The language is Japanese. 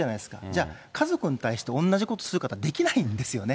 じゃあ、家族に対して、同じことをするかっていうと、できないんですよね。